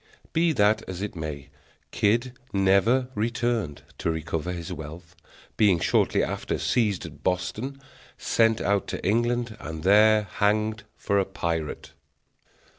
Be that as it may, Kidd never returned to recover his wealth; being shortly after seized at Boston, sent out to England, and there hanged for a pirate.